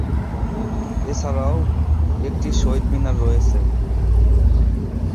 এছাড়াও একটি শহিদ মিনার রয়েছে।